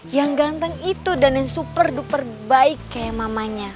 yang ganteng itu dan yang super duper baik kayak mamanya